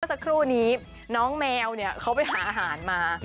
เมื่อสักครู่นี้น้องแมวเขาไปหาอาหารมา